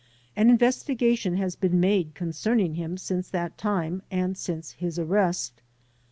An investigation has been made concerning him since that time and since his arrest.